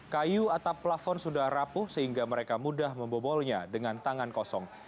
kayu atap plafon sudah rapuh sehingga mereka mudah membobolnya dengan tangan kosong